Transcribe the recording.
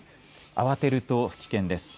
慌てると危険です。